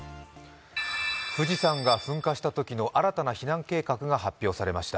富士山が噴火したときの新たな避難計画が発表されました。